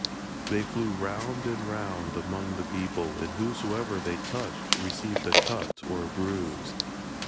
They flew round and round among the people, and whosoever they touched received a cut or a bruise.